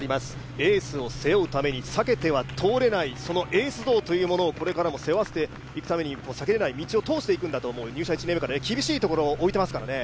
エースを背負うために避けては通れないそのエース道を通していくために避けれない道を通していていくんだと入社１年目から厳しいところに置いていますからね。